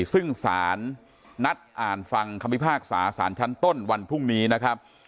ซึ่งสารนัดอ่านฟังคำพิพากษาสารชั้นต้นวันพรุ่งนี้นะครับ